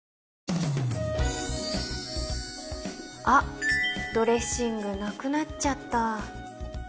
あっドレッシングなくなっちゃった